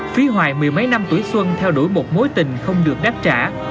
phí hoài mười mấy năm tuổi xuân theo đuổi một mối tình không được đáp trả